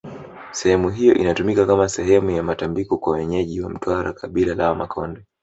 sehemu hiyo inatumika kama sehemu ya matambiko kwa wenyeji wa mtwara kabila la wamakonde